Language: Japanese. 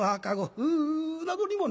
うん。